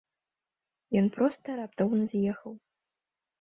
Ён проста раптоўна з'ехаў.